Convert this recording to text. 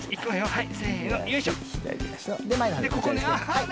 はい。